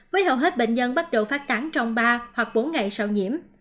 với hầu hết bệnh nhân bắt đầu phát tán trong ba hoặc bốn ngày sau nhiễm